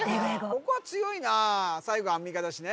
ここは強いな最後アンミカだしね